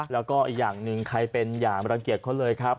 แล้วก็อีกอย่างหนึ่งใครเป็นอย่างรังเกียจเขาเลยครับ